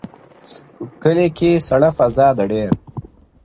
o کلي کي سړه فضا ده ډېر,